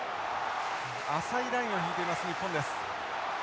浅いラインを敷いています日本です。